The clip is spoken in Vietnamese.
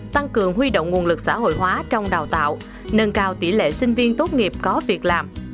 tăng cường huy động nguồn lực xã hội hóa trong đào tạo nâng cao tỷ lệ sinh viên tốt nghiệp có việc làm